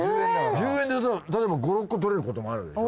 １０円で例えば５６個とれることもあるわけでしょ？